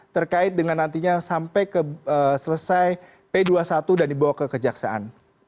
terkait dengan nantinya sampai selesai p dua puluh satu dan dibawa ke kejaksaan